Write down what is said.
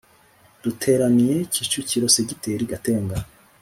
Duteraniye Kicukiro Segiteri Gatenga